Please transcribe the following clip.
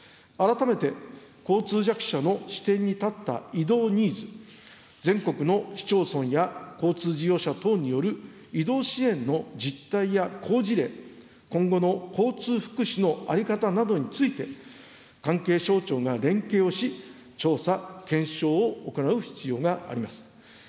改めて、交通弱者の視点に立った移動ニーズ、全国の市町村や交通事業者等による移動支援の実態や好事例、今後の交通福祉の在り方などについて、関係省庁が連携をし、調査・検証を行う必要があります。